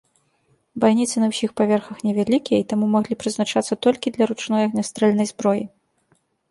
Байніцы на ўсіх паверхах невялікія, і таму маглі прызначацца толькі для ручной агнястрэльнай зброі.